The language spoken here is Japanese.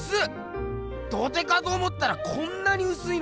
土手かと思ったらこんなにうすいのか！